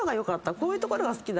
こういうところが好きだ。